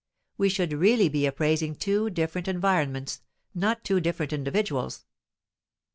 We should really be appraising two different environments, not two different individuals.